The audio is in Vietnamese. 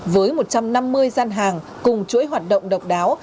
với một trăm năm mươi gian hàng cùng chuỗi hoạt động độc đáo